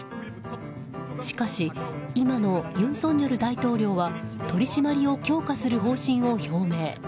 しかし、今の尹錫悦大統領は取り締まりを強化する方針を表明。